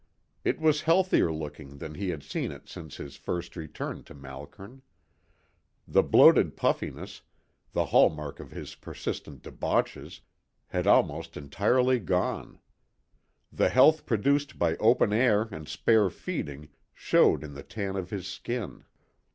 It was healthier looking than he had seen it since his first return to Malkern. The bloated puffiness, the hall mark of his persistent debauches, had almost entirely gone. The health produced by open air and spare feeding showed in the tan of his skin.